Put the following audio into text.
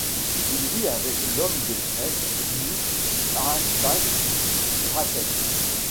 Il vit avec l'homme de presse Knut Aastad Bråten.